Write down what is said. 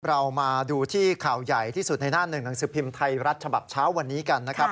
เรามาดูที่ข่าวใหญ่ที่สุดในหน้าหนึ่งหนังสือพิมพ์ไทยรัฐฉบับเช้าวันนี้กันนะครับ